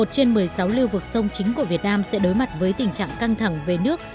một mươi trên một mươi sáu lưu vực sông chính của việt nam sẽ đối mặt với tình trạng căng thẳng về nước